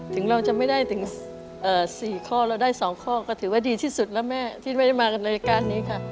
ถึงเราจะไม่ได้ถึง๔ข้อเราได้๒ข้อก็ถือว่าดีที่สุดแล้วแม่ที่ไม่ได้มากันรายการนี้ค่ะ